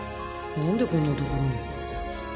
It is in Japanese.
なんでこんなところに